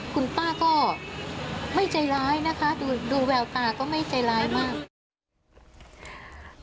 คุณป้าก็ไม่ใจร้ายนะคะดูแววตาก็ไม่ใจร้ายมาก